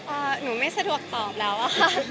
อ่าหนูไม่สะดวกตอบแล้วค่ะ